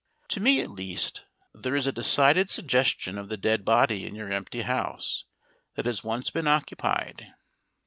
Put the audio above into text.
To me, at least, there is a decided suggestion of the dead body in your empty house that has once been occupied.